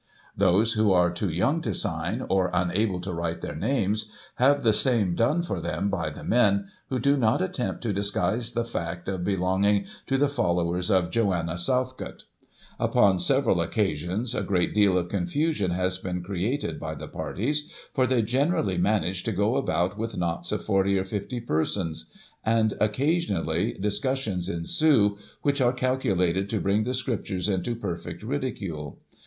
Those who are too young to sign, or unable to write their names, have the same done for them by the men, who do not attempt to disguise the fact of be longing to the followers of Joanna Southcote. Upon several occasions, a great deal of confusion has been created by the parties, for they generally manage to go about with knots of forty or fifty persons ; and, occasionally, discussions ensue, which are calculated to bring the Scriptures into perfect ridicule.